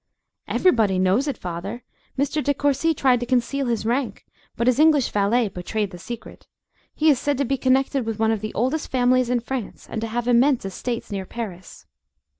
"Everybody knows it, father. Mr. De Courci tried to conceal his rank, but his English valet betrayed the secret. He is said to be connected with one of the oldest families in France, and to have immense estates near Paris."